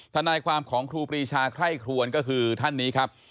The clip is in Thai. ทนายความของครูปรีชาไคร่ครวนก็คือท่านนี้ครับ